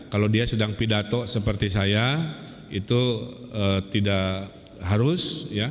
kalau dia sedang pidato seperti saya itu tidak harus